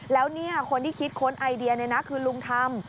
แล้วเนี่ยคนที่คิดค้นไอเดียคือลุงธรรม